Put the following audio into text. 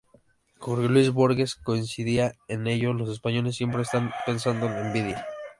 Jorge Luis Borges coincidía en ello: "Los españoles siempre están pensando en la envidia.